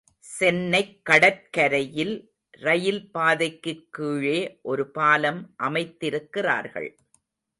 சென்னைக் கடற்கரையில் ரயில்பாதைக்குக் கீழே ஒரு பாலம் அமைத்திருக்கிறார்கள்.